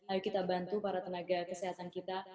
ayo kita bantu para tenaga kesehatan kita